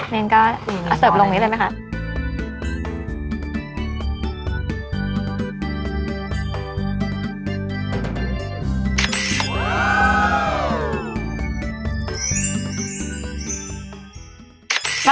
นี่ก็เอาเสิร์ฟลงนี้เลยนะคะ